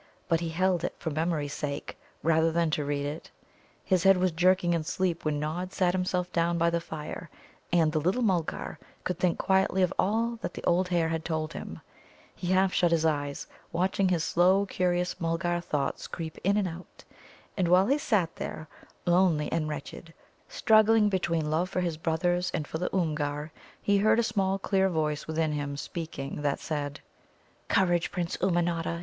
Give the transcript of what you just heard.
But he held it for memory's sake rather than to read in it. His head was jerking in sleep when Nod sat himself down by the fire, and the little Mulgar could think quietly of all that the old hare had told him. He half shut his eyes, watching his slow, curious Mulgar thoughts creep in and out. And while he sat there, lonely and wretched, struggling between love for his brothers and for the Oomgar, he heard a small clear voice within him speaking that said: "Courage, Prince Ummanodda!